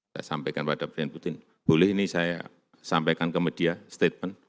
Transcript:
saya sampaikan pada presiden putin boleh ini saya sampaikan ke media statement